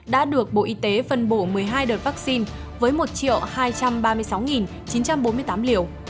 đã được bộ y tế phân bổ một mươi hai đợt vaccine với một hai trăm ba mươi sáu chín trăm bốn mươi tám liều